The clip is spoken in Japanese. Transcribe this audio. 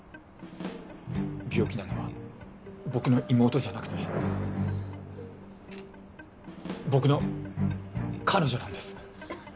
病気なのは僕の妹じゃなくて僕の彼女なんです。